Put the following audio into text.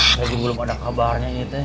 tadi belum ada kabarnya ini teh